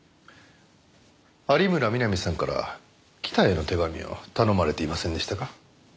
有村みなみさんから北への手紙を頼まれていませんでしたか？